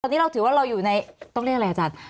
ตอนนี้เราถือว่าเราอยู่ในต้องเรียกอะไรอาจารย์